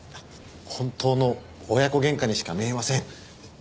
本当の親子喧嘩にしか見えません。